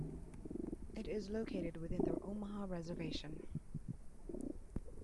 It is located within the Omaha Reservation.